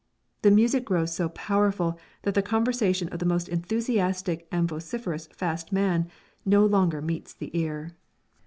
The music grows so powerful that the conversation of the most enthusiastic and vociferous fast man no longer meets the ear.